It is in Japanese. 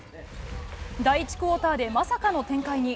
第１クオーターでまさかの展開に。